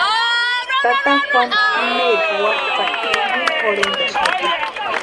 Tata Juanu imaeri wapʼani iwini jorhentʼaxati.